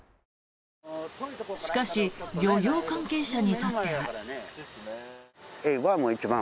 しかし漁業関係者にとっては。